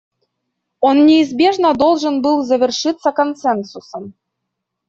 Он неизбежно должен был завершиться консенсусом.